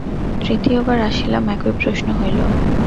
তৃতীয়বার আসিলাম, একই প্রশ্ন হইল।